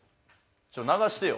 ちょっと流してよ。